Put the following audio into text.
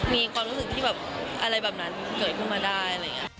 มีความรู้สึกที่อะไรแบบนั้นเกิดขึ้นมาได้